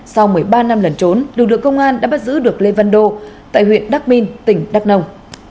sau một mươi ba năm lần trốn lực lượng công an đã bắt giữ được lê văn đô tại huyện đắc minh tỉnh đắk nông